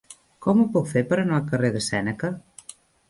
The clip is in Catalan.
Com ho puc fer per anar al carrer de Sèneca?